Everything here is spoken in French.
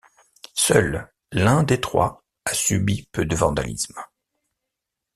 Seul l'un des trois a subi peu de vandalisme.